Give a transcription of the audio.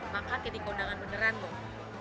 maka kita dikeundangan beneran loh